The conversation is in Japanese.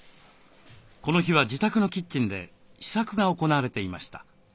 この日は自宅のキッチンで試作が行われていました。